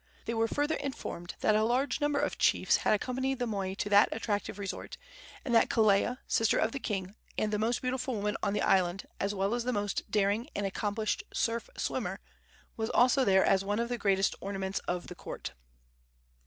They were further informed that a large number of chiefs had accompanied the moi to that attractive resort, and that Kelea, sister of the king, and the most beautiful woman on the island as well as the most daring and accomplished surf swimmer, was also there as one of the greatest ornaments of the court.